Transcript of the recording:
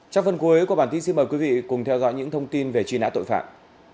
trong phần cuối của bản tin xin mời quý vị cùng theo dõi những thông tin về truy nã tội phạm